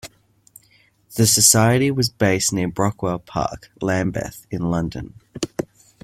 The Society was based near Brockwell Park, Lambeth in London.